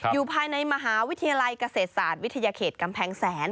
อยู่ภายในมหาวิทยาลัยเกษตรศาสตร์วิทยาเขตกำแพงแสน